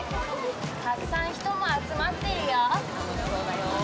たくさん人も集まってるよ。